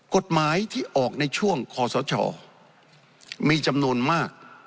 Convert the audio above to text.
กฎหมายที่ออกในช่วงคอสชมีจำนวนมาก